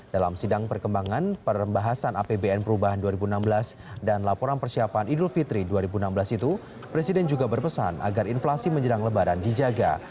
dalam sidang perkembangan perembahasan apbn perubahan dua ribu enam belas dan laporan persiapan idul fitri dua ribu enam belas itu presiden juga berpesan agar inflasi menjelang lebaran dijaga